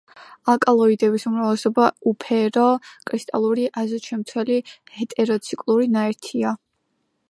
ალკალოიდების უმრავლესობა უფერო, კრისტალური, აზოტშემცველი ჰეტეროციკლური ნაერთია.